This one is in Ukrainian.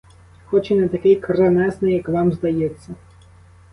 Хоч і не такий кремезний, як вам здається.